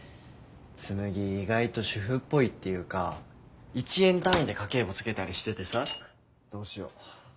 紬意外と主婦っぽいっていうか１円単位で家計簿つけたりしててさどうしよう。